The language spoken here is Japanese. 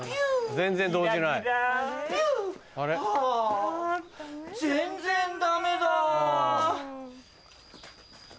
全然ダメだぁ。